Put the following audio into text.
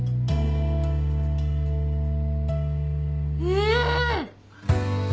うん。